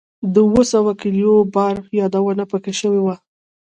د اووه سوه کیلو بار یادونه په کې شوې وه.